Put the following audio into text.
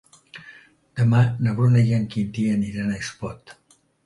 Demà na Bruna i en Quintí aniran a Espot.